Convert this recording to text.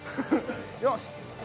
よし！